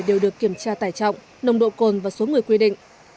đều được kiểm tra tải trọng nồng độ cồn và số người quy định